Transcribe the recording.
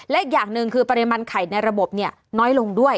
และอีกอย่างหนึ่งคือปริมาณไข่ในระบบน้อยลงด้วย